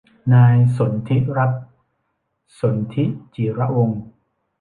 นายสนธิรัตน์ สนธิจิรวงศ์